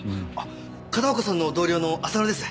片岡さんの同僚の浅野です。